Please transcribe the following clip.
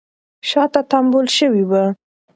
شاته تمبول شوې وه